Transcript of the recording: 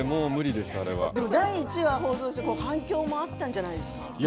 でも、第１話放送して反響もあったんじゃないですか？